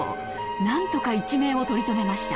なんとか一命をとりとめました。